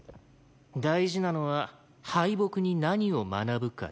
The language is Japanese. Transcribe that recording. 大事なのは「敗北に何を学ぶか」だ。